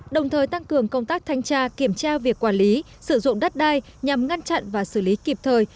đồng thời tăng cường công tác thanh tra kiểm tra việc quản lý sử dụng đất đai nhằm ngăn chặn và xử lý kịp thời